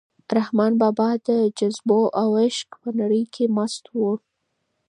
رحمان بابا د جذبو او عشق په نړۍ کې مست و.